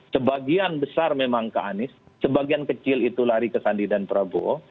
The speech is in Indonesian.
sebagian besar memang ke anies sebagian kecil itu lari ke sandi dan prabowo